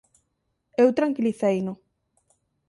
Eu tranquiliceino.